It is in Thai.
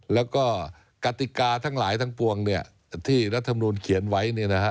แล้วก็กติกาทั้งหลายทั้งปวงที่รัฐมนุนเขียนไว้